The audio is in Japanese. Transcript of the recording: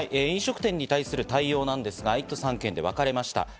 飲食店に対する対応ですが、１都３県に分かれました。